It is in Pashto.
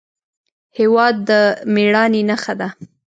هېواد د مېړانې نښه ده.